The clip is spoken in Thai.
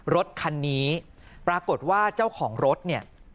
รถคันนี้ปรากฏว่าเจ้าของรถเนี่ย